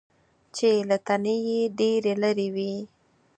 چې له تنې یې ډېرې لرې وي .